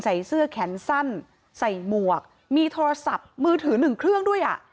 ใส่เสื้อแขนสั้นใส่หมวกมีโทรศัพท์มือถือหนึ่งเครื่องด้วยอ่ะ